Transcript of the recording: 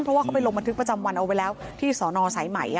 เพราะว่าเขาไปลงบันทึกประจำวันเอาไว้แล้วที่สอนอสายไหม